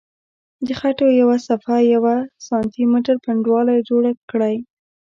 د خټو یوه صفحه په یوه سانتي متر پنډوالي جوړه کړئ.